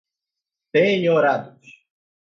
penhorados